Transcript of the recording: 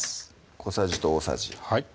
小さじと大さじはい